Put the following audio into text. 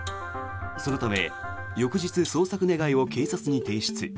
そのため、翌日捜索願を警察に提出。